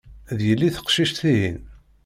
D yelli teqcict-ihin.